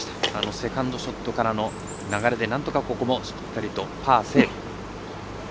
セカンドショットからの流れでなんとか、ここもパーセーブ。